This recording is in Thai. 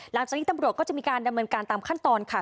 หลังจากนี้ตำรวจก็จะมีการดำเนินการตามขั้นตอนค่ะ